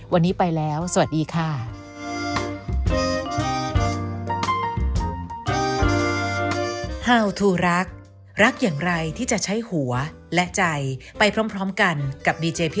วันนี้ไปแล้วสวัสดีค่ะ